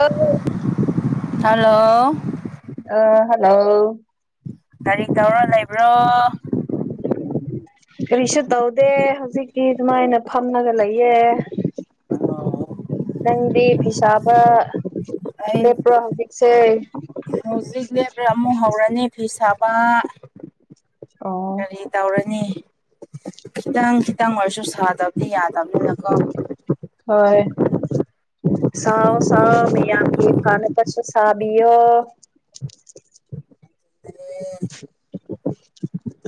ꯑ ꯍꯂꯣ ꯑ ꯍꯜꯂꯣ ꯀꯔꯤ ꯇꯧꯔ ꯂꯩꯕ꯭ꯔꯣ ꯀꯔꯤꯁꯨ ꯇꯧꯗꯦ ꯍꯧꯖꯤꯛꯛꯇꯤ ꯑꯗꯨꯃꯥꯏꯅ ꯐꯝꯃꯒ ꯂꯩꯌꯦ ꯅꯪꯗꯤ ꯐꯤꯁꯥꯕ ꯑꯩ ꯂꯦꯞꯄ꯭ꯔꯣ ꯍꯧꯖꯤꯛꯁꯦ ꯍꯧꯖꯤꯛꯨ ꯍꯧꯥꯎꯔ ꯑꯅꯤ ꯐꯤ ꯁꯥꯕ ꯑꯣ ꯀꯔꯤ ꯇꯧꯔꯅꯤ ꯈꯤꯇꯪ ꯈꯤꯇꯪ ꯑꯣꯏꯔꯁꯨ ꯁꯥꯗꯕꯗꯤ ꯌꯥꯗꯕꯅꯤꯅꯀꯣ ꯍꯣꯏ ꯁꯥꯑꯣ ꯁꯥꯎ ꯃꯌꯥꯝꯒꯦ ꯐꯅ ꯄꯁꯨ ꯁꯥꯕꯤꯌ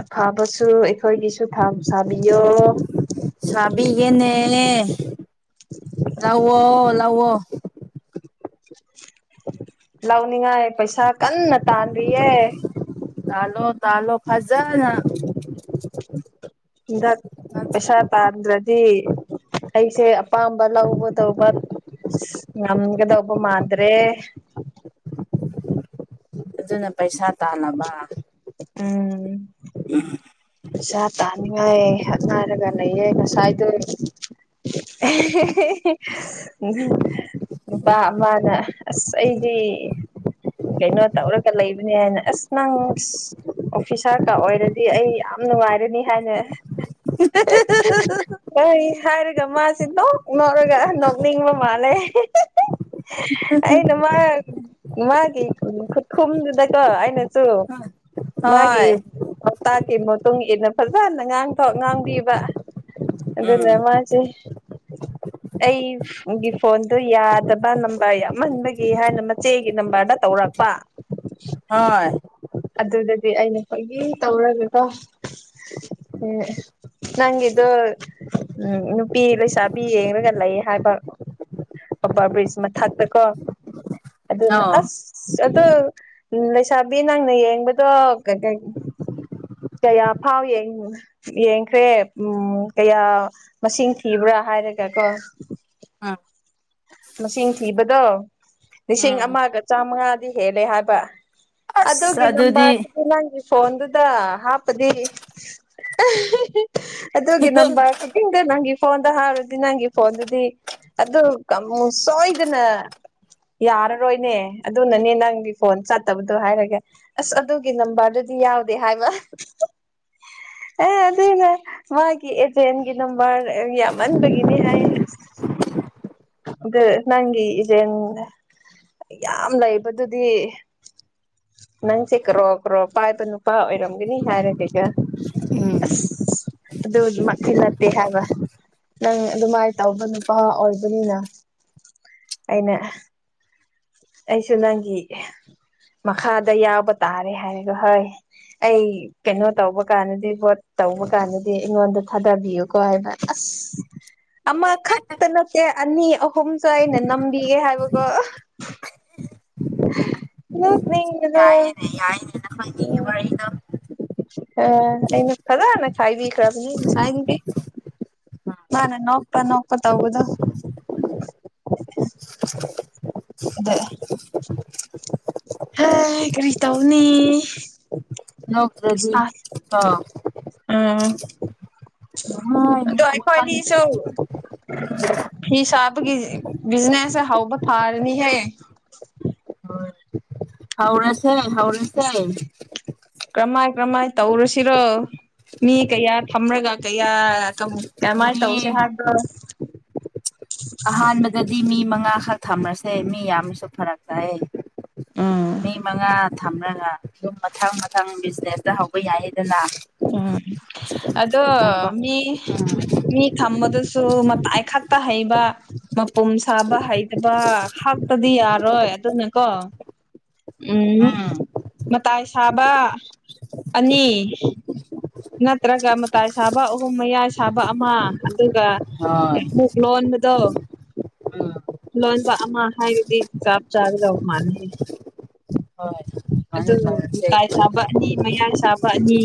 ꯑꯐꯕꯁꯨ ꯑꯩꯈꯣꯏꯒꯤꯁꯨ ꯁꯥꯕꯤꯌꯣ ꯁꯥꯕꯤꯒꯦꯅꯦ ꯂꯥꯛꯑꯣ ꯂꯥꯛꯑꯣ ꯂꯥꯎꯅꯤꯡꯉꯥꯏ ꯄꯩꯁꯥ ꯀꯟꯅ ꯇꯥꯟꯔꯤꯌꯦ ꯇꯥꯂꯣ ꯇꯥꯂꯣ ꯐꯖꯅ ꯍꯟꯗꯥꯛ ꯄꯩꯁꯥ ꯇꯥꯟꯗ꯭ꯔꯗꯤ ꯑꯩꯁꯦ ꯑꯄꯥꯝꯕ ꯂꯧꯕ ꯇꯧꯕ ꯅꯪꯒꯗ ꯑꯣꯕ ꯃꯥꯗ꯭ꯔꯦ ꯑꯗꯨꯅ ꯄꯩꯁꯥ ꯇꯥꯅꯕ ꯎꯝ ꯎ ꯄꯩꯁꯥ ꯇꯥꯅꯤꯡꯉꯥꯏꯞꯅꯔꯒ ꯂꯩꯌꯦ ꯉꯁꯥꯏꯗꯣ ꯃꯥꯅ ꯑꯁ ꯑꯩ ꯍ ꯀꯩꯅꯣ ꯇꯧꯔꯒ ꯂꯩꯕꯅꯦ ꯍꯥꯏꯅ ꯑꯁ ꯅꯪ ꯑꯣꯐꯤꯁꯥꯔꯀ ꯑꯣꯏꯔꯗꯤ ꯑꯩ ꯌꯥꯝ ꯅꯨꯡꯉꯥꯏꯔꯅꯤ ꯍꯥꯏꯅ [unintelligible] ꯀ ꯍꯥꯏꯔꯒ ꯃꯥꯁꯤ ꯅꯣꯛ ꯅꯧꯔꯒ ꯅꯣꯛꯅꯤꯡꯕ ꯃꯥꯜꯂꯦ ꯑꯩꯅ ꯃꯥ ꯃꯥꯒꯤ ꯈꯨꯠꯈꯨꯝꯗꯨꯗꯀꯣ ꯑꯩꯅꯁꯨ ꯃꯥꯒꯤ ꯍꯣꯏ ꯄꯣꯛꯇꯥꯛꯀꯤ ꯃꯇꯨꯡ ꯏꯟꯅ ꯐꯖꯅ ꯉꯥꯡꯊꯣꯛ ꯉꯥꯡꯕꯤꯕ ꯑꯗꯨ ꯅ ꯃꯥꯁꯦ ꯎ ꯑꯩꯒꯤ ꯐꯣꯟꯗꯨ ꯌꯥꯗꯕ ꯅꯝꯕꯔ ꯌꯥꯝꯍꯟꯕꯒꯤ ꯍꯥꯏꯅ ꯃꯆꯦꯒꯤ ꯅꯝꯕꯔꯗ ꯇꯧꯔ ꯆꯄꯥ ꯍꯣꯏ ꯑꯗꯨꯗꯗꯤ ꯑꯩꯅ ꯈꯣꯏꯒꯤ ꯇꯧꯔꯒꯀꯣ ꯅꯪꯒꯤꯗꯣ ꯎꯝ ꯅꯨꯄꯤ ꯂꯩꯁꯥꯕꯤ ꯌꯦꯡꯒ ꯂꯩ ꯍꯥꯏꯕ ꯑꯕꯥ ꯕ꯭ꯔꯤꯖ ꯃꯊꯛꯇ ꯀꯣ ꯑꯗꯨꯅ ꯑꯧ ꯑꯁ ꯑꯗꯨ ꯂꯩꯁꯥꯕꯤ ꯅꯪꯅ ꯌꯦꯡꯕꯗꯣ ꯀꯩꯀꯩ ꯀꯌꯥ ꯐꯥꯎ ꯌꯦꯡꯈ꯭ꯔꯦ ꯀꯌꯥ ꯃꯁꯤꯡ ꯊꯤꯕ꯭ꯔꯥ ꯍꯥꯏ ꯀꯔ ꯀ ꯀꯣ ꯎꯝ ꯃꯁꯤꯡ ꯊꯤꯕꯗꯣ ꯂꯤꯁꯤꯡ ꯎꯝ ꯑꯃꯒ ꯆꯥꯝꯃꯉꯥꯗꯤ ꯍꯦꯜꯂꯦ ꯍꯥꯏꯕ ꯑꯁ ꯑꯗꯨꯒꯤ ꯑꯗꯨꯗꯤ ꯅꯝꯕꯔꯗꯨꯗꯤ ꯅꯪꯒꯤ ꯐꯣꯟꯗꯨꯗ ꯍꯥꯞꯄꯗꯤ ꯑꯗꯨꯒꯤ ꯅꯝꯕꯔ ꯑ ꯅꯪꯒꯤ ꯐꯣꯟꯗ ꯍꯥꯏꯔꯗꯤ ꯅꯪꯒꯤ ꯐꯣꯟꯗꯨꯗꯤ ꯑꯗꯨ ꯁꯣꯏꯗꯅ ꯌꯥꯔꯔꯣꯏꯅꯦ ꯑꯗꯨꯅꯅꯦ ꯅꯪꯒꯤ ꯐꯣꯟ ꯆꯠꯇꯕꯗꯣ ꯍꯥꯏꯔꯒꯦ ꯑꯁ ꯑꯗꯨꯒꯤ ꯅꯝꯕꯔꯗꯨꯗꯤ ꯌꯥꯎꯗꯦ ꯍꯥꯏꯕ [unintelligible] ꯑꯦ ꯑꯗꯨꯏꯅꯦ ꯃꯥꯒꯤ ꯑꯦꯖꯦꯟꯒꯤ ꯅꯝꯕꯔ ꯌꯥꯝꯃꯟꯕꯒꯤꯅꯤ ꯍꯥꯏ [unintelligible] ꯑꯗ ꯅꯪꯒꯤ ꯏꯟ ꯌꯥꯝ ꯂꯩꯕꯗꯨꯗꯤ ꯅꯪꯁꯦ ꯀ꯭ꯔꯣ ꯀ꯭ꯔꯣ ꯄꯥꯏꯕ ꯅꯨꯄꯥ ꯑꯣꯏꯔꯝꯒꯅꯤ ꯍꯥꯏꯔꯒꯦꯒ [unintelligible] ꯑꯗꯨꯃꯛꯇꯤ ꯅꯠꯇꯦ ꯍꯥꯏꯕ ꯅꯪ ꯑꯗꯨꯃꯥꯏꯅ ꯇꯧꯕ ꯅꯨꯄꯥ ꯑꯣꯏ ꯑꯗꯨꯅꯤꯅ ꯑꯩꯅ ꯑꯩꯁꯨ ꯅꯪꯒꯤ ꯃꯈꯥꯗ ꯌꯥꯎꯕ ꯇꯥꯔꯦ ꯍꯥꯏꯔꯒꯣ ꯍꯣꯏ ꯑꯩ ꯀꯩꯅꯣ ꯇꯧꯕ ꯀꯥꯟꯗꯗꯤ ꯚꯣꯠ ꯇꯧꯕ ꯀꯥꯟꯗꯗꯤ ꯑꯩꯉꯣꯟꯗ ꯊꯥꯗꯕꯤꯌꯨꯀꯣ ꯍꯥꯏꯕ ꯑꯁ ꯎ ꯑꯃꯈꯛꯇ ꯅꯠꯇꯦ ꯑꯅꯤ ꯑꯍꯨꯝꯁꯨ ꯑꯩꯅ ꯅꯝꯕꯤꯒꯦ ꯍꯥꯏꯕꯀꯣ ꯑ ꯌꯥꯏꯅꯦ ꯌꯥꯏꯅꯦꯅ ꯐꯪꯉꯦ ꯃꯔ ꯑꯩꯗ ꯑ ꯑꯩꯅ ꯐꯖ ꯈꯥꯏꯕꯤ ꯈꯔ ꯅꯥꯏ ꯃꯥ ꯅ ꯅꯀ ꯇ ꯅꯀꯄ ꯇꯗ ꯑꯗꯦ ꯍꯥ ꯀꯔꯤ ꯇꯧꯅꯤ ꯅꯣꯡꯀ꯭ꯔꯗꯤ ꯍꯥ ꯑꯗꯨ ꯅꯨꯡꯉꯥꯏ ꯋꯥꯈꯜ ꯑꯩꯈꯣꯏꯅꯤꯁꯨ ꯐꯤꯁꯕꯒꯤ ꯕꯤꯖꯤꯅꯦꯁ ꯍꯥꯎꯕ ꯐꯥꯔꯅꯤ ꯍꯥꯏ ꯍꯥꯎꯔꯁꯦ ꯍꯥꯎꯔꯁꯦ ꯀꯔꯝꯃꯥꯏ ꯀꯔꯝꯍꯥꯏꯅ ꯇꯧꯔꯨꯁꯤꯔꯣ ꯃꯤ ꯀꯌꯥ ꯊꯝꯔꯒ ꯀꯌꯥ ꯀꯃꯥꯏꯅ ꯇꯧꯁꯦ ꯃꯤ ꯍꯥꯏꯕ꯭ꯔꯣ ꯑꯍꯥꯟꯕꯗꯗꯤ ꯃꯤ ꯃꯉꯥꯈꯛ ꯊꯝꯃꯁꯦ ꯃꯤ ꯌꯥꯝꯅꯁꯨ ꯐꯔꯛ ꯇꯥꯏꯌꯦ ꯎꯝ ꯃꯤ ꯃꯉꯥ ꯊꯝꯂꯒ ꯑꯗꯨꯝ ꯃꯊꯪ ꯃꯊꯪ ꯕꯤꯖꯤꯅꯦꯁꯇ ꯍꯧꯕ ꯌꯥꯏꯌꯦ ꯎꯝ ꯑꯗꯣ ꯉꯥꯏꯈꯣ ꯃꯤ ꯃꯤ ꯊꯝꯕꯗꯁꯨ ꯃ ꯍꯥꯏꯥꯏꯛꯥꯛꯇꯥ ꯍꯩꯕ ꯃꯄꯨꯝ ꯁꯥꯕ ꯍꯩꯇꯕ ꯍꯥꯛꯇꯗꯤ ꯌꯥꯔꯣꯏ ꯑꯗꯨꯅꯀꯣ ꯎꯝ ꯃꯇꯥꯏ ꯁꯥꯕ ꯑꯅꯤ ꯅꯠꯇ꯭ꯔꯒ ꯃꯇꯥꯏ ꯁꯥꯕ ꯑꯍꯨꯝ ꯃꯌꯥꯏ ꯁꯥꯕ ꯑꯃ ꯎꯝ [inaudible] ꯗꯣ ꯍꯣꯏ ꯎꯝ ꯂꯣꯟꯕ ꯑꯃ ꯍꯥꯏꯔꯗꯤ ꯆꯞ ꯆꯥꯒꯗꯧ ꯃꯥꯟꯅꯈꯤ ꯍꯣꯏ ꯁꯨꯃꯥꯏꯅ ꯑꯗꯨ ꯇꯧꯔꯁꯦ ꯎꯇꯥꯏ ꯁꯥꯕꯅꯤ ꯃꯌꯥꯏ ꯁꯥꯕꯅꯤ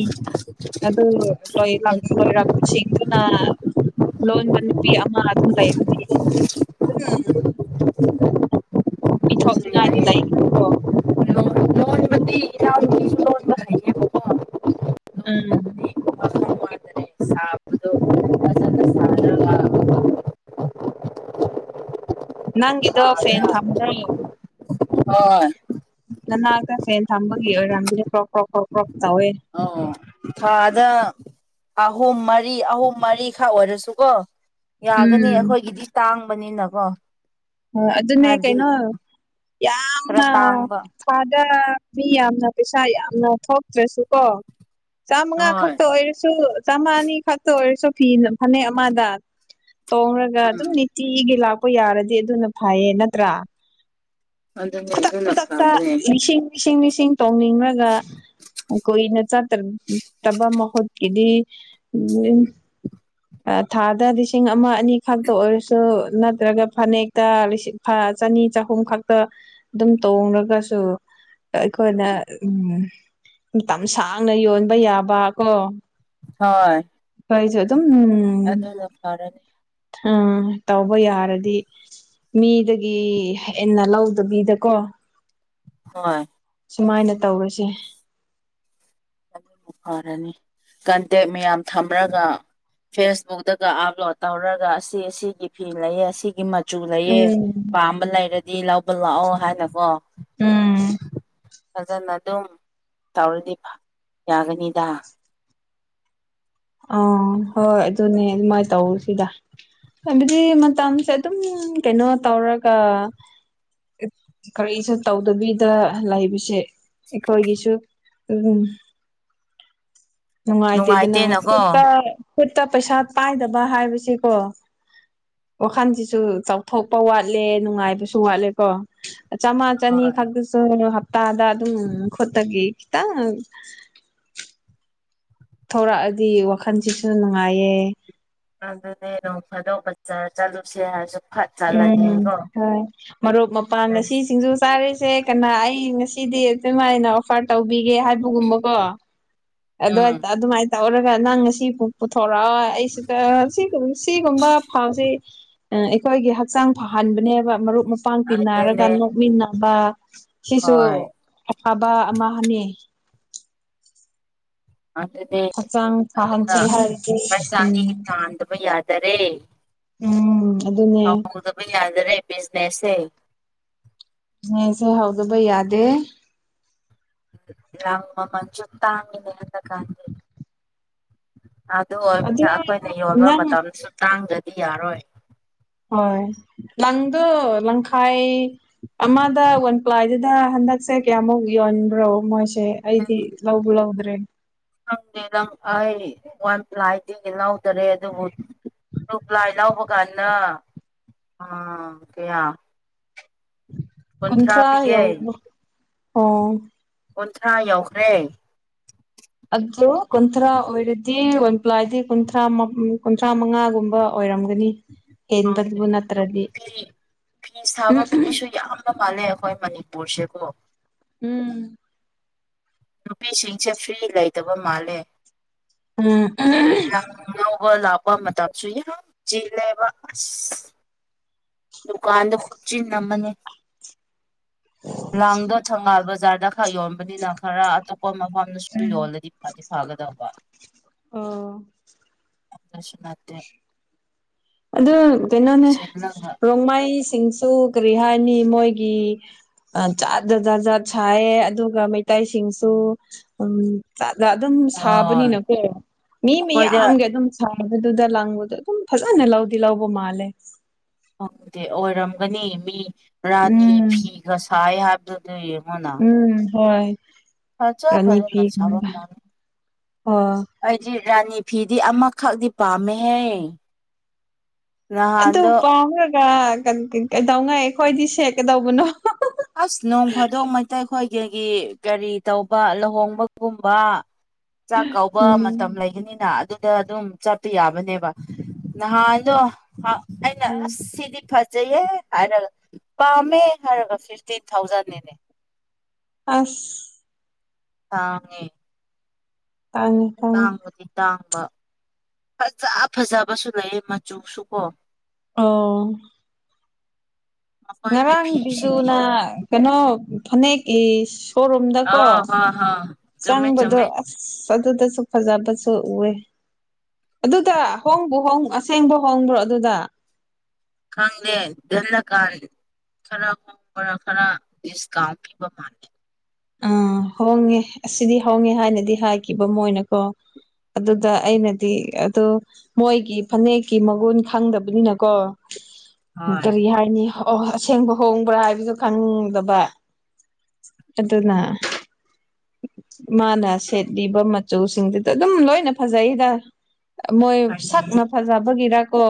ꯂꯣꯏ ꯂꯥꯛ ꯂꯍꯤ ꯂꯥꯛꯄ ꯁꯤꯒꯅ ꯂꯣꯟꯕ ꯅꯨꯄꯤ ꯑꯃ ꯑꯗꯨꯝ ꯂꯩꯔꯝꯗꯤ [unintelligible] ꯑꯗꯨꯁꯨ ꯄꯤꯊꯣꯛꯂꯤꯅꯗꯤ ꯌꯥꯏꯌꯦ ꯂꯩꯅꯤꯀꯣ ꯂꯣꯟ ꯂꯣꯟꯕꯗꯤ ꯏꯅꯥꯎꯅꯨꯄꯤꯁꯨ ꯂꯣꯟꯕ ꯍꯩꯌꯦꯕꯀꯣ ꯎꯝ ꯂꯣꯟꯕꯗꯗꯤ ꯋꯥꯈꯜ ꯋꯥꯗꯔꯦ ꯁꯥꯕꯗꯣ ꯐꯖꯅ ꯎ ꯁꯥꯔꯒ ꯅꯪꯗꯣ ꯐꯦꯟ ꯊꯥꯗ ꯊꯝꯕ꯭ꯔꯣ ꯍꯣꯏ ꯅꯅꯥꯛꯇ ꯐꯦꯟ ꯊꯝꯕꯒꯤ ꯑꯣꯏꯔꯝꯗꯨꯗꯤ ꯀ꯭ꯔꯣꯛ ꯀ꯭ꯔꯣꯛ ꯀ꯭ꯔꯣꯛ ꯀ꯭ꯔꯣꯛ ꯇꯧꯋꯦ ꯑꯣ ꯊꯥꯗ ꯑꯍꯨꯝ ꯃꯔꯤ ꯑꯍꯨꯝ ꯃꯔꯤꯈꯛ ꯑꯣꯏꯔꯁꯨꯀꯣ ꯌꯥꯒꯅꯤ ꯎꯝ ꯑꯩꯈꯣꯏꯒꯤꯗꯤ ꯇꯥꯡꯕꯅꯤꯅꯀꯣ ꯍ ꯑꯗꯨꯅꯦ ꯍꯥꯏꯕꯗꯤ ꯀꯩꯅꯣ ꯈꯔ ꯌꯥꯝꯅ ꯇꯥꯡꯕ ꯐꯗ ꯃꯤ ꯌꯥꯝꯅ ꯄꯩꯁꯥ ꯌꯥꯝꯅ ꯊꯣꯛꯇ꯭ꯔꯁꯨ ꯀꯣ ꯆꯥꯝꯃꯉꯥ ꯍꯣꯏ ꯈꯛꯇ ꯑꯣꯏꯔꯁꯨ ꯆꯥꯝꯃꯉꯥ ꯑꯅꯤ ꯈꯛꯇ ꯑꯣꯏꯔꯁꯨ ꯐꯤ ꯐꯅꯦꯛ ꯑꯃꯗ ꯇꯣꯡꯔꯒ ꯑꯗꯨꯝ ꯎꯝ ꯅꯤꯇꯤꯒꯤ ꯂꯥꯛꯄ ꯌꯥꯔꯗꯤ ꯑꯗꯨꯅ ꯐꯩꯌꯦ ꯅꯠꯇ꯭ꯔꯥ ꯑꯗꯨꯅꯦ ꯈꯣꯇꯥꯛ ꯑꯗꯨꯅ ꯈꯣꯇꯥꯛ ꯐꯕꯅꯦ ꯃꯤꯁꯤ ꯃꯤꯁꯤ ꯃꯤ ꯏꯁꯤꯡ ꯇꯣꯡꯅꯤꯡꯉꯒ ꯀꯨꯏꯅ ꯆꯥꯠꯇꯗꯕ ꯃꯍꯨꯠ ꯏꯗꯤ ꯎꯝ ꯊꯥꯗ ꯂꯤꯁꯤꯡ ꯑꯃ ꯑꯅꯤ ꯈꯛꯇ ꯑꯣꯏꯔꯁꯨ ꯅꯠꯇ꯭ꯔꯒ ꯐꯅꯦꯛꯇꯁꯤꯡ ꯆꯅꯤ ꯆꯍꯨꯝ ꯈꯛꯇ ꯑꯗꯨꯝ ꯇꯣꯡꯡꯂꯒꯁꯨ ꯑꯩꯈꯣꯏꯅ ꯎꯝ ꯃꯇꯝ ꯁꯥꯡꯅ ꯌꯣꯟꯕ ꯌꯥꯕ ꯀꯣ ꯍꯣꯏ ꯀꯩꯖꯦ ꯑꯗꯨꯝ ꯑꯗꯨꯗꯅ ꯀꯔꯅꯦꯦ ꯎꯝ ꯇꯧꯕ ꯌꯥꯔꯗꯤ ꯃꯤꯗꯒꯤ ꯍꯦꯟꯅ ꯂꯧꯗꯕꯤꯗꯀꯣ ꯍꯣꯏ ꯁꯨꯃꯥꯏꯅ ꯇꯧꯔꯁꯦ ꯑꯗꯨ ꯐꯔꯅꯤ ꯀꯟꯇꯦꯛ ꯃꯌꯥꯝ ꯊꯝꯂꯒ ꯐꯦꯁꯕꯨꯛꯇꯒ ꯑꯞꯂꯣꯗ ꯇꯧꯔꯒ ꯑꯁꯤ ꯑꯁꯤꯒꯤ ꯐꯤ ꯂꯩꯌꯦ ꯑꯁꯤꯒꯤ ꯃꯆꯨ ꯂꯩꯌꯦꯦ ꯎꯝ ꯄꯥꯝꯕ ꯂꯩꯔꯗꯤ ꯂꯧꯕ ꯂꯥꯛꯑꯣ ꯍꯥꯏꯅꯀꯣ ꯎꯝ ꯐꯖꯅ ꯑꯗꯨꯝ ꯇꯧꯔꯗꯤ ꯌꯥꯒꯅꯤꯗ ꯑ ꯍꯣꯏ ꯑꯗꯨꯅꯦ ꯑꯗꯨꯃꯥꯏꯅ ꯇꯧ ꯁꯤꯗ ꯍꯥꯏꯕꯗꯤ ꯃꯇꯝꯁꯦ ꯑꯗꯨꯝ ꯀꯩꯅꯣ ꯇꯧꯔꯒ ꯀꯔꯤꯁꯨ ꯇꯧꯗꯕꯤꯗ ꯂꯩꯕꯁꯦ ꯑꯩꯈꯣꯏꯒꯤꯁꯨ ꯎꯝ [inaudible] ꯅꯨꯡꯉꯥꯏꯇꯦ ꯑꯗꯨꯅ ꯅꯨꯡꯉꯥꯏꯇꯦꯅꯀꯣ ꯈꯨꯠꯇ ꯈꯨꯠꯇ ꯄꯩꯁꯥ ꯄꯥꯏꯗꯕ ꯍꯥꯏꯕꯁꯤꯀꯣ ꯋꯥꯈꯜꯁꯤꯁꯨ ꯆꯥꯎꯊꯣꯛꯄ ꯋꯥꯠꯂꯦ ꯅꯨꯡꯉꯥꯏꯕꯁꯨ ꯋꯥꯠꯂꯦꯀꯣ ꯆꯃꯥ ꯆꯅꯤ ꯍꯣꯏ ꯈꯥꯛꯁꯨ ꯍꯥ ꯇꯥꯗ ꯑꯗꯨꯝ ꯈꯣꯠꯇꯒꯤꯈꯤꯇ ꯊꯧꯔꯛꯑꯗꯤ ꯋꯥꯈꯜꯁꯤꯁꯨ ꯅꯨꯡꯉꯥꯏꯌꯦ ꯑꯗꯨꯅꯦ ꯅꯣꯡ ꯐꯗꯣꯛ ꯕꯖꯔꯥ ꯆꯠꯂꯨꯁꯥ ꯎꯝꯝ ꯍꯣꯏ ꯃꯔꯨꯞ ꯃꯄꯥꯡ ꯉꯁꯤ ꯁꯤꯡꯖꯨ ꯆꯥꯔꯤꯁꯦ ꯀꯅꯥ ꯑꯩ ꯑꯩ ꯉꯁꯤꯗꯤ ꯑꯗꯨꯃꯥꯏꯅ ꯑꯣꯐꯔ ꯇꯧꯕꯤꯒꯦ ꯍꯥꯏꯕꯒꯨꯝꯕꯀꯣ ꯑꯗꯨ ꯎꯝ ꯑꯗꯨꯃꯥꯏ ꯇꯧꯔꯒ ꯅꯪ ꯉꯁꯤ ꯄꯨꯊꯣꯔꯛꯑꯣ ꯑꯩꯁꯤꯗ ꯁꯤꯒꯨꯝꯕ ꯐꯥꯎꯁꯤꯦ ꯎ ꯑꯩꯈꯣꯏꯒꯤ ꯍꯛꯆꯥꯡ ꯐꯍꯟꯕꯅꯦꯕ ꯃꯔꯨꯞ ꯃꯄꯥꯡ ꯇꯤꯟꯅꯔꯒ ꯑꯗꯨꯅꯦ ꯅꯣꯛꯃꯤꯟꯅꯕ ꯁꯤꯁꯨ ꯍꯣꯏ ꯑꯐꯕ ꯑꯃ ꯍꯥꯏꯅꯤ ꯑꯗꯨꯅꯦ ꯍꯛꯆꯥꯡ ꯑꯗꯨꯅ ꯐꯍꯟꯁꯦ ꯍꯥꯏꯔ ꯎꯝ ꯄꯩꯁꯥꯗꯤ ꯇꯥꯟꯗꯕ ꯎꯝ ꯑꯗꯨꯅꯦ ꯍꯥꯎꯗꯕ ꯌꯥꯗꯔꯦ ꯕꯤꯖꯤꯅꯦꯁꯁꯦ ꯑꯦ ꯁꯦ ꯍꯧꯎꯗꯕꯩ ꯌꯥꯗꯦ ꯂꯪ ꯃꯃꯜꯁꯨ ꯇꯥꯡꯉꯤ ꯍꫭꯖꯤꯛꯀꯟꯗꯤ ꯑꯗꯨ ꯑꯣꯏꯕꯅꯤꯅ ꯑꯩꯈꯣꯏꯅ ꯌꯣꯟꯕ ꯅꯪ ꯃꯇꯝꯁꯨ ꯇꯥꯡꯒꯗꯤ ꯌꯥꯔꯣꯏ ꯍꯣꯏ ꯂꯪꯗ ꯂꯪꯈꯥꯏ ꯑꯃꯗ ꯋꯥꯟ ꯄ꯭ꯂꯥꯏꯗꯨꯗ ꯍꯟꯗꯛꯁꯦ ꯀꯌꯥꯃꯨꯛ ꯌꯣꯟꯕ꯭ꯔꯣ ꯃꯣꯏ ꯦ ꯑꯩꯗꯤ ꯂꯥꯎꯕꯨ ꯂꯧꯗ꯭ꯔꯦ ꯈꯪꯗꯦ ꯅꯪ ꯑꯩ ꯋꯥꯟ ꯄ꯭ꯂꯥꯏꯗꯒꯤ ꯂꯧꯗꯔꯦ ꯑꯗꯨꯕꯨ ꯇꯨ ꯄ꯭ꯂꯥꯏ ꯂꯧꯕ ꯀꯥꯟꯗ ꯑꯥ ꯑꯣꯀꯌꯥ ꯀꯨꯟꯊ꯭ꯔꯥ ꯌꯎ ꯑꯣ ꯀꯨꯟꯊ꯭ꯔꯥ ꯌꯧꯈ꯭ꯔꯦ ꯑꯗꯨꯣ ꯀꯟꯊꯔ ꯑꯣꯏꯗꯗꯤ ꯑꯣꯟ ꯄ꯭ꯂ ꯍꯥꯏꯗꯗꯤ ꯀꯟꯊꯔ ꯃ ꯀꯨꯟꯊ꯭ꯔꯥ ꯃꯉꯥꯒꯨꯝꯕ ꯑꯣꯏꯔꯝꯒ ꯈꯪꯗꯦ ꯌꯦꯟꯗꯗꯕꯨꯅꯠꯇ꯭ꯔꯗꯤ ꯐꯤ ꯐꯤ ꯎꯝ ꯁꯥꯕ ꯃꯤꯁꯨ ꯌꯥꯝꯕ ꯃꯥꯜꯂꯦ ꯑꯩꯈꯣꯏ ꯃꯅꯤꯄꯨꯔꯁꯦꯀꯣ ꯎꯝ ꯅꯨꯄꯤꯁꯤꯡꯁꯦ ꯐ꯭ꯔꯤ ꯂꯩꯇꯕ ꯃꯥꯜꯂꯦ ꯎꯝ ꯌꯥꯝ ꯂꯧꯕ ꯂꯥꯛꯄ ꯃꯇꯝꯁꯨ ꯌꯥꯝ ꯆꯤꯜꯂꯦꯕ ꯑꯁ ꯗꯨꯀꯥꯟꯗ ꯈꯨꯠꯆꯤꯟꯝꯃꯅꯤ ꯂꯥꯡꯗꯣ ꯊꯪꯒꯥꯕ ꯕꯖꯥꯔꯗ ꯈꯔ ꯌꯣꯟꯕꯅꯤꯅ ꯈꯔ ꯑꯇꯞ ꯑꯩꯈꯣꯏ ꯃꯐꯝꯗꯁꯨ ꯎꯝ ꯌꯣꯜꯂꯗꯤ ꯐꯗꯤ ꯐꯥꯒꯗꯧꯕ ꯑꯣ ꯑꯗꯨꯁꯨꯅꯠꯇꯦ ꯑꯗꯨ ꯀꯩꯅꯣꯅꯦ ꯔꯣꯡꯃꯥꯏ ꯃꯤꯁꯤꯡꯁꯨ ꯀꯔꯤ ꯍꯥꯏꯅꯤ ꯃꯣꯏꯒꯤ ꯆꯥ ꯖ ꯖꯥꯠ ꯖꯥꯠ ꯁꯥꯏꯌꯦ ꯑꯗꯨꯒ ꯃꯩꯇꯩꯁꯤꯡꯁꯨ ꯎ ꯗ ꯑꯗꯨꯝ ꯍꯣꯏ ꯁꯥꯕꯅꯤꯅꯀꯣ ꯃꯤ ꯃꯈꯣꯏꯗ ꯃꯌꯥꯝꯒꯤ ꯑꯗꯨꯝ ꯁꯥꯕꯗꯨꯗ ꯂꯪꯕꯗꯣ ꯑꯗꯨꯝ ꯐꯖ ꯀꯅꯦ ꯂꯧꯥꯎꯗꯤ ꯂꯧꯎꯕ ꯃꯥꯂꯦ ꯈꯪꯗꯦ ꯑꯣꯏꯔꯝꯒꯅꯤ ꯃꯤ ꯔꯥꯅꯤ ꯎꯝ ꯐꯤꯒ ꯁꯥꯏ ꯍꯥꯏꯕ ꯑꯗꯨ ꯌꯦꯃꯣꯅꯥ ꯎꯝ ꯍꯣꯏ ꯐꯖ ꯔꯥꯅꯤ ꯐꯖꯅ ꯁꯕꯥ ꯐꯤꯒꯨꯝꯕ ꯃꯥꯜꯂꯤ ꯑꯣ ꯑꯩꯗꯤ ꯔꯥꯅꯤ ꯐꯤꯗꯤ ꯑꯃꯈꯛꯗꯤ ꯄꯥꯝꯃꯦꯍꯦ ꯑꯗꯨ ꯅꯍꯥꯟꯗꯣ ꯄꯥꯎꯈꯒ ꯀꯩꯗꯧꯉꯥꯏ ꯑꯩꯈꯣꯏꯗꯤ ꯁꯦꯠꯀꯗꯧꯕꯅꯣ ꯑꯁ ꯅꯣꯡ ꯐꯥꯗꯣꯡ ꯃꯩꯇꯩ ꯍꯣꯏ ꯀꯒꯤ ꯀꯔꯤ ꯇꯧꯕ ꯂꯨꯍꯣꯡꯕꯒꯨꯝꯕ ꯆꯥꯛ ꯀꯥꯎꯕ ꯃꯇꯝ ꯎꯝ ꯂꯩꯒꯅꯤꯅ ꯑꯗꯨ ꯗ ꯑꯗꯨꯝ ꯆꯠꯄ ꯌꯥꯕꯅꯦꯕ ꯅꯍꯥꯟꯗꯣ ꯑꯩꯅ ꯎꯝ ꯑꯁ ꯁꯤꯗꯤ ꯐ ꯆꯩꯩꯌꯦ ꯍꯥꯏꯔꯒ ꯄꯥꯝꯃꯦ ꯍꯥꯏꯔꯒ ꯐꯤꯐꯇꯤꯟ ꯊꯥꯎꯖꯟꯅꯤꯅꯦ ꯑꯁ ꯇꯥꯡꯉꯦ ꯇꯥꯡꯉꯦ ꯇꯥꯡꯉꯦ ꯑꯖꯤꯠꯇ ꯐꯖ ꯐꯖꯕꯁꯨ ꯂꯩ ꯃꯆꯨꯁꯨ ꯀꯣ ꯑꯣ ꯃꯈꯣꯏꯒꯤ ꯉꯔꯥꯡ ꯐꯤꯁꯤꯗꯤ ꯕꯤꯖꯨꯅ ꯀꯩꯅꯣ ꯐꯅꯦꯛ ꯏꯁ ꯑ ꯁꯣꯔꯣꯝꯗꯀꯣ ꯍ ꯍ ꯆꯨꯝꯃꯦ ꯆꯪꯕꯗꯣ ꯆꯨꯝꯃꯦ ꯑꯁ ꯑꯗꯨꯗ ꯐꯖꯥꯕꯁꯨ ꯎꯦ ꯑꯗꯨꯗ ꯍꯣꯡꯕ ꯍꯣꯡ ꯑꯁꯦꯡꯕ ꯍꯣꯡꯕ꯭ꯔꯣ ꯑꯗꯨꯗ ꯈꯪꯉꯦ ꯅ ꯀꯥꯟ ꯈꯔ ꯈꯣꯡꯕꯔ ꯈꯔ ꯗꯤꯁꯀꯥꯎꯟ ꯄꯤꯕ ꯃꯥꯜꯂꯦ ꯑꯥ ꯍꯣꯡꯉꯦ ꯑꯁꯤꯗꯤ ꯍꯣꯡꯉꯦ ꯍꯥꯏꯅꯗꯤ ꯍꯥꯏꯈꯤꯕ ꯃꯣꯏꯅꯀꯣ ꯑꯗꯨꯗ ꯑꯩꯅꯗꯤ ꯑꯗꯨ ꯃꯣꯏꯒꯤ ꯐꯅꯦꯛꯀꯤ ꯃꯒꯨꯟ ꯈꯪꯗꯕꯅꯤꯅꯀꯣ ꯍꯣꯏ ꯀꯔꯤ ꯍꯥꯏꯅꯤ ꯑꯁꯦꯡꯕ ꯍꯣꯡꯕ꯭ꯔꯥ ꯍꯥꯏꯕꯗꯨ ꯈꯪꯗꯕ ꯑꯗꯨꯅ ꯃꯥꯅ ꯁꯦꯠꯕꯤꯕ ꯆꯨꯁꯤꯡꯗꯨꯗ ꯑꯗꯨꯝ ꯂꯣꯏꯅ ꯐꯖꯩꯗ ꯃꯣꯏ ꯐꯖꯩꯌꯦ ꯁꯛꯅ ꯐꯖꯕꯒꯤꯔ ꯑꯣ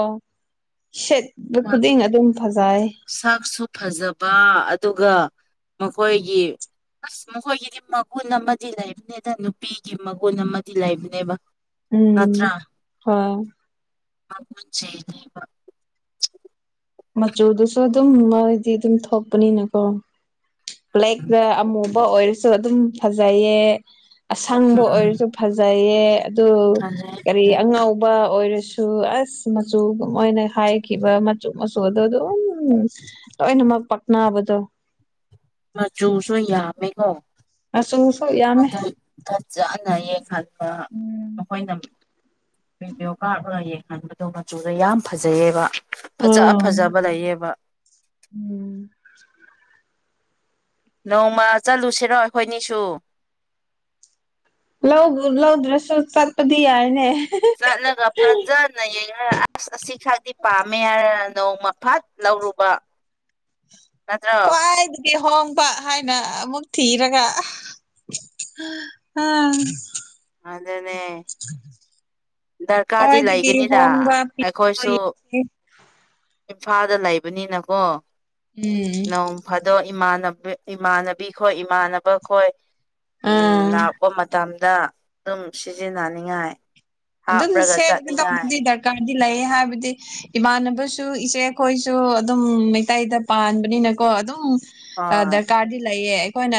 ꯁꯥꯛꯁꯨ ꯐꯖꯕ ꯑꯗꯨꯒ ꯃꯈꯣꯏꯒꯤ ꯑꯁ ꯃꯈꯣꯏꯒꯤꯗꯤ ꯃꯒꯨꯟ ꯑꯃꯗꯤ ꯂꯩꯕꯅꯦꯗ ꯅꯨꯄꯤꯒꯤ ꯃꯒꯨꯟ ꯑꯃꯗꯤ ꯂꯩꯕꯅꯦꯕ ꯅꯠꯇ꯭ꯔꯥ ꯎꯝ ꯍꫭꯏ [unintelligible] ꯃꯆꯨꯗꯨꯁꯨ ꯑꯗꯨꯝ ꯃꯣꯏꯗꯤ ꯑꯗꯨꯝ ꯊꯣꯛꯄꯅꯤꯅꯀꯣ ꯕ꯭ꯂꯦꯛꯛꯇ ꯑꯃꯨꯕ ꯑꯣꯏꯔꯁꯨ ꯑꯗꯨꯝ ꯐꯖꯩꯌꯦ ꯑꯁꯪꯕ ꯎꯝ ꯑꯣꯏꯔꯁꯨ ꯐꯖꯩꯌꯦ ꯑꯗꯨ ꯐꯖꯩ ꯀꯔꯤ ꯐꯖꯩ ꯑꯉꯥꯎꯕ ꯑꯣꯏꯔꯁꯨ ꯑꯁ ꯃꯆꯨꯒ ꯃꯣꯏꯅ ꯍꯥꯏꯈꯤꯕ ꯃꯆꯨ ꯃꯁꯗ ꯑꯗꯨ ꯎ ꯂꯣꯏꯅ ꯃ ꯄꯛꯅꯕꯗ ꯃꯆꯨꯁꯨ ꯌꯥꯝꯃꯦꯀꯣ ꯃꯆꯨꯁꯨ ꯌꯥꯝꯃꯦ ꯑꯗꯨ ꯆ ꯆꯅꯌꯦ ꯈꯟꯕ ꯃꯈꯣꯏꯅ ꯚꯤꯗꯤꯑꯣ ꯀꯥꯔꯞꯂ ꯌꯦꯡꯍꯟꯕꯗꯣ ꯃꯆꯨꯗ ꯌꯥꯝ ꯐꯖꯩꯌꯦꯕ ꯐꯖ ꯐꯖꯕ ꯂꯩꯌꯦꯕ ꯎꯝ ꯅꯣꯡꯃ ꯆꯠꯂꯨꯁꯤꯔꯣ ꯑꯩꯈꯣꯏꯅꯤꯁꯨ ꯂꯧꯗ꯭ꯔꯁꯨ ꯆꯠꯄꯗꯤ ꯌꯥꯏꯅꯦ ꯆꯠꯂꯒ ꯐꯖꯅ ꯌꯡꯅꯔ ꯑꯁ ꯑꯁꯤ ꯈꯗꯤꯤ ꯄꯥꯝꯃꯦ ꯍꯥꯏꯔꯅꯤ ꯅꯣꯡꯃꯐꯥꯠ ꯂꯧꯔꯨꯕ ꯅꯠꯇ꯭ꯔꯣ ꯂꯍꯣꯡꯕ ꯍꯥꯏꯅ ꯑꯃꯨꯛ ꯊꯤꯔꯒ ꯎꯝ ꯑꯗꯅꯦ ꯗꯔꯀꯥꯔꯗꯤ ꯈ꯭ꯋꯥꯏꯗꯒꯤ ꯂꯩꯒꯅꯤꯗ ꯍꯣꯡꯕ ꯄꯤ ꯑꯩꯈꯣꯏꯁꯨ ꯏꯝꯐꯥꯜꯗ ꯂꯩꯕꯅꯤꯅꯀꯣ ꯎꯝ ꯅꯣꯡ ꯐꯥꯗꯣꯛ ꯏꯃꯥꯟ ꯏꯃꯥꯟꯅꯕꯤ ꯈꯣꯏ ꯏꯃꯥꯟꯅꯕ ꯈꯣꯏ ꯎ ꯑꯥ ꯂꯥꯛꯄ ꯃꯇꯝ ꯗ ꯑꯗꯨꯝ ꯁꯤꯖꯤꯟꯅꯅꯤꯡꯉꯥꯏ ꯑꯗꯨꯝ ꯍꯥꯞꯔꯒ ꯁꯦꯠ ꯆꯠꯅꯤꯡꯉꯥꯏ ꯇꯧꯕꯗꯤ ꯗꯔꯀꯥꯔꯗꯤ ꯂꯩ ꯍꯥꯏꯕꯗꯤ ꯏꯃꯥꯟꯅꯕꯁꯨ ꯏꯆꯦ ꯑꯩꯈꯣꯏꯁꯨ ꯑꯗꯨꯝ ꯃꯩꯇꯩꯗ ꯄꯥꯟꯕꯅꯤꯅꯀꯣ ꯑꯗꯨꯝ ꯍꯣꯏ ꯗꯔꯀꯥꯔꯗꯤ ꯂꯩꯌꯦ ꯑꯩꯈꯣꯏꯅ